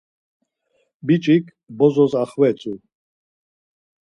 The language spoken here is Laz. Biç̌ik bozos axvetzu.